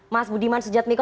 mas budiman sujatmiko